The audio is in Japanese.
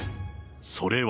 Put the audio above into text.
それは。